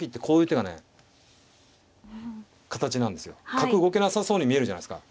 角動けなさそうに見えるじゃないですか。